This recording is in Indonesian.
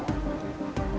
ya aku mau